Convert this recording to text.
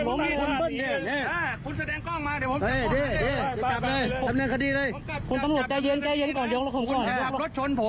พยายามขายอย่างนั้นทั้งเดียว